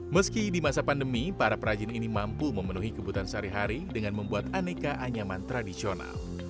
meski di masa pandemi para perajin ini mampu memenuhi kebutuhan sehari hari dengan membuat aneka anyaman tradisional